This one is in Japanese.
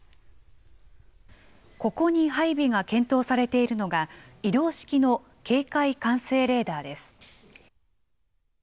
ここに配備が検討されているのが、移動式の警戒管制レーダーです。